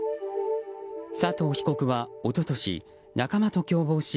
佐藤被告は一昨年仲間と共謀し